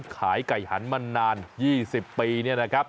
ขายไก่หันมานาน๒๐ปี